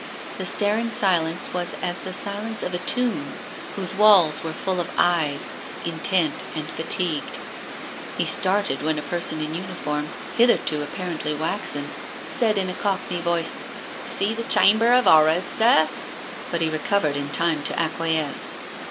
The staring silence was as the silence of a tomb, whose walls were full of eyes, intent and fatigued. He started when a person in uniform, hitherto apparently waxen, said in a cockney voice, "Sec the Chamber of Horrors, sir ?" But he recovered in time to acquiesce.